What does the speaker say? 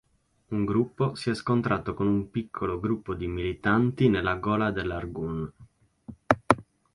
Un gruppo si è scontrato con un piccolo gruppo di militanti nella gola dell'Argun.